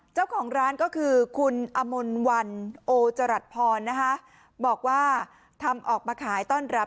เจ้าของร้านก็คือคุณอมลวันโอจรัสพรนะคะบอกว่าทำออกมาขายต้อนรับ